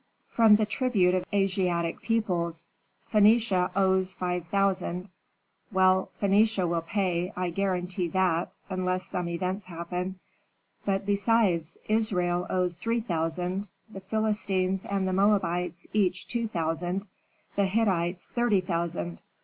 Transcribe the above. "From the tribute of Asiatic peoples. Phœnicia owes five thousand; well, Phœnicia will pay, I guarantee that, unless some events happen. But, besides, Israel owes three thousand, the Philistines and the Moabites each two thousand, the Hittites thirty thousand.